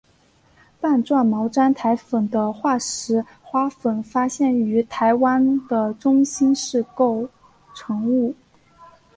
棒状毛毡苔粉的化石花粉发现于台湾的中新世构成物。